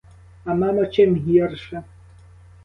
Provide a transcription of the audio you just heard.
А мама чим гірша?